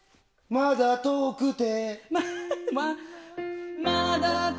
「まだ遠くて」